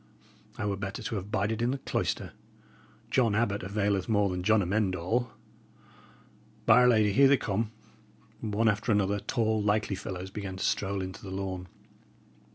I were better to have bided in the cloister. John Abbot availeth more than John Amend All. By 'r Lady! here they come." One after another, tall, likely fellows began to stroll into the lawn.